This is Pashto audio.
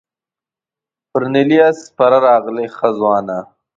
پر نیلي آس سپره راغلې ښه ځوانه.